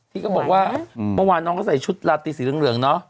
ที่เขาบอกว่าเมื่อวานน้องก็ใส่ชุดลาตีสีเหลืองเนอะ